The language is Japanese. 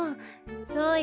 そうよ。